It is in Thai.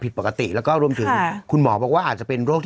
ผิดปกติแล้วก็รวมถึงคุณหมอบอกว่าอาจจะเป็นโรคที่